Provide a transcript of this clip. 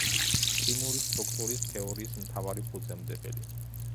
ქიმიური სტრუქტურის თეორიის მთავარი ფუძემდებელი.